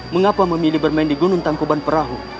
mengapa memilih bermain di gunung tangkuban perahu